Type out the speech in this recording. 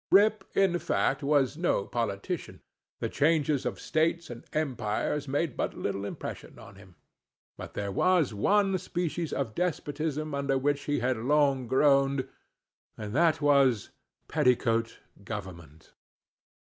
Rip, in fact, was no politician; the changes of states and empires made but little impression on him; but there was one species of despotism under which he had long groaned, and that was—petticoat government.